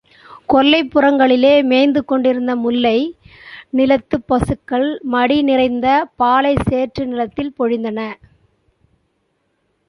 கொல்லைப் புறங்களிலே மேய்ந்து கொண்டிருந்த முல்லை நிலத்துப் பசுக்கள் மடிநிறைந்த பாலைச் சேற்று நிலத்தில் பொழிந்தன.